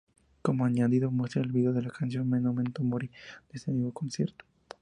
Como añadido, muestra el vídeo de la canción "Memento Mori", de ese mismo concierto.